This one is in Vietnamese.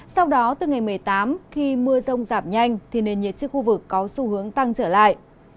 sau đó từ ngày một mươi tám khi mưa rông giảm nhanh thì nền nhiệt trên khu vực có xu hướng tăng trở lại